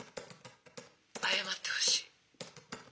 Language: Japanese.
「謝ってほしい」。